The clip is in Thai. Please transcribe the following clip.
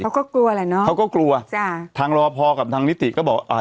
เขาก็กลัวแหละเนอะเขาก็กลัวจ้ะทางรอพอกับทางนิติก็บอกอ่า